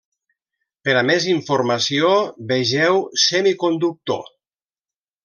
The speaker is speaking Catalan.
Per a més informació, vegeu semiconductor.